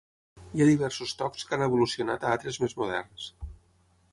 Hi ha diversos tocs que han evolucionat a altres més moderns.